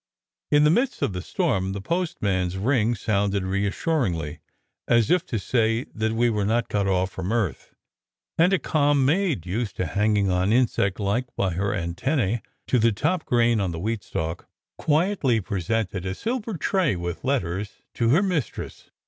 In the midst of the storm the postman s ring sounded reassuringly, as if to say that we were not cut off from earth; and a calm maid, used to hanging on insectlike by her antennae to the top grain on the wheat stalk, quietly presented a silver tray with letters to her mistress.